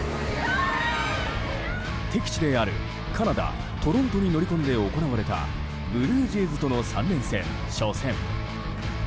敵地であるカナダ・トロントに乗り込んで行われたブルージェイズとの３連戦初戦。